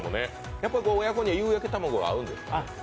やはり親子丼にはゆうやけ卵が合うんですか？